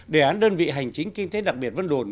đề án đơn vị hành chính kinh tế đặc biệt vân đồn